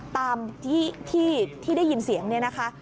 ตามที่ได้ยินเสียงเนี่ยนะคะ